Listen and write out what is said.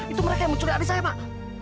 itu mereka yang mencuri adik saya pak